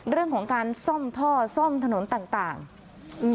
เรื่องของการซ่อมท่อซ่อมถนนต่างต่างอืม